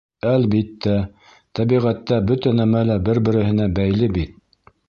Әлбиттә, тәбиғәттә бөтә нәмә лә бер-береһенә бәйле бит.